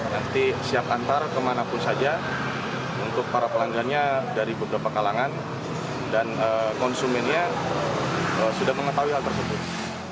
nanti siap antar kemanapun saja untuk para pelanggannya dari beberapa kalangan dan konsumennya sudah mengetahui hal tersebut